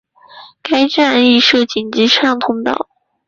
该站内亦设紧急车辆通道。